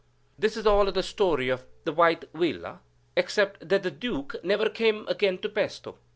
"This is all the story of the White Villa, except that the Duke came never again to Pesto.